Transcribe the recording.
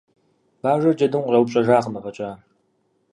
Бажэр джэдым къыщӏэупщӏэжакъым афӏэкӏа.